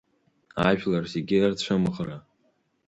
Ажәлар зегьы рцәымӷра…